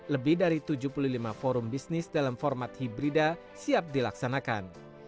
lebih dari tujuh puluh lima forum bisnis dalam format hibrida siap dilaksanakan